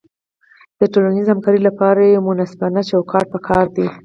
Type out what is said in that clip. د ټولنیزې همکارۍ لپاره یو منصفانه چوکاټ پکار دی.